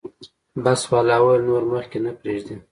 بس والا وویل نور مخکې نه پرېږدي.